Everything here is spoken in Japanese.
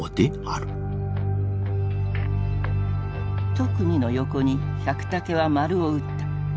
「特に」の横に百武はマルを打った。